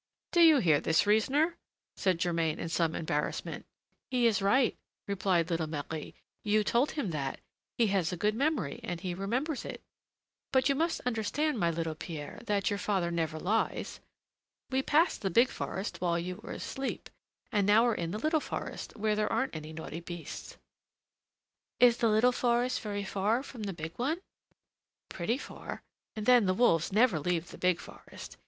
"Do you hear this reasoner?" said Germain in some embarrassment. "He is right," replied little Marie, "you told him that; he has a good memory, and he remembers it. But you must understand, my little Pierre, that your father never lies. We passed the big forest while you were asleep, and now we're in the little forest, where there aren't any naughty beasts." "Is the little forest very far from the big one?" "Pretty far; and then the wolves never leave the big forest.